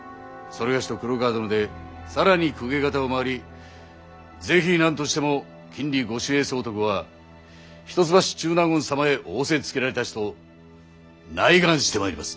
某と黒川殿で更に公家方を回り「是非何としても禁裏御守衛総督は一橋中納言様へ仰せつけられたし」と内願してまいります。